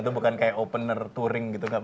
itu bukan kayak opener touring gitu